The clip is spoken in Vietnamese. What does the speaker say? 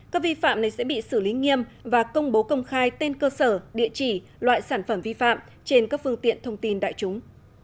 các vi phạm này sẽ bị xử lý nghiêm và công bố công khai tên cơ sở địa chỉ loại sản phẩm vi phạm trên các phương tiện thông tin đại chúng